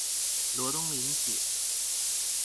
羅東林鐵